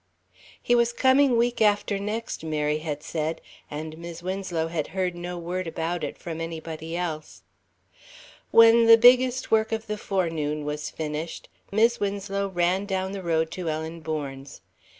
He was coming week after next, Mary had said, and Mis' Winslow had heard no word about it from anybody else. When "the biggest of the work" of the forenoon was finished, Mis' Winslow ran down the road to Ellen Bourne's.